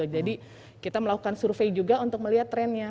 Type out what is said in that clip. kita melakukan survei juga untuk melihat trennya